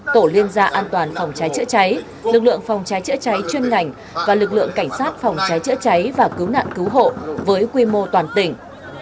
tổ liên gia an toàn phòng cháy chữa cháy lực lượng phòng cháy chữa cháy chuyên ngành và lực lượng cảnh sát phòng cháy chữa cháy và cứu nạn cứu hộ với quy mô toàn tỉnh